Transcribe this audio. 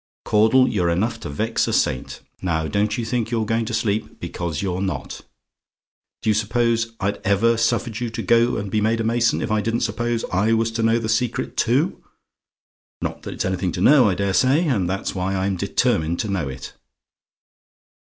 "Caudle, you're enough to vex a saint! Now don't you think you're going to sleep; because you're not. Do you suppose I'd ever suffered you to go and be made a mason, if I didn't suppose I was to know the secret too? Not that it's anything to know, I dare say; and that's why I'm determined to know it.